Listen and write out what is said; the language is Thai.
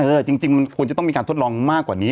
จริงมันควรจะต้องมีการทดลองมากกว่านี้